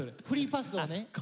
フリーパスをね。